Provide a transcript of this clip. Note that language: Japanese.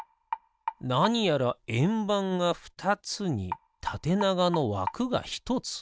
なにやらえんばんがふたつにたてながのわくがひとつ。